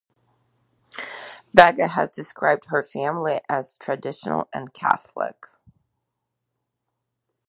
Vega has described her family as "traditional" and Catholic.